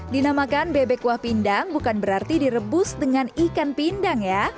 dinamakan bebek kuah pindang bukan berarti direbus dengan ikan pindang ya